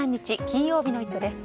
金曜日の「イット！」です。